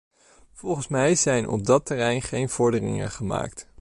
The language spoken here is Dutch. Volgens mij zijn op dat terrein geen vorderingen gemaakt.